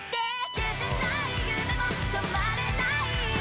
消せない夢も止まれない今も」